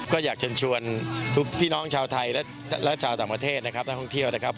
ก็อยากเชิญชวนทุกพี่น้องชาวไทยและชาวต่างประเทศนะครับนักท่องเที่ยวนะครับ